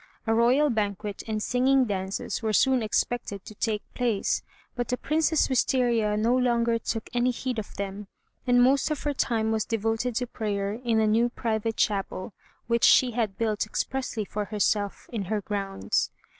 A royal banquet and singing dances were soon expected to take place, but the Princess Wistaria no longer took any heed of them, and most of her time was devoted to prayer in a new private chapel, which she had had built expressly for herself in her grounds.